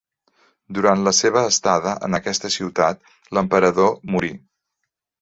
Durant la seva estada en aquesta ciutat, l'emperador morí.